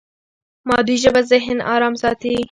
مادي ژبه ذهن ارام ساتي.